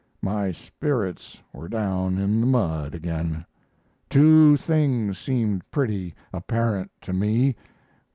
My spirits were down in the mud again. Two things seemed pretty apparent to me.